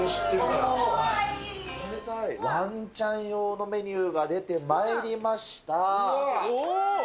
ワンちゃん用のメニューが出てまいりました。